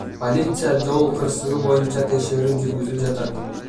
Полиция жол кырсыгы боюнча текшерүү жүргүзүп жатат.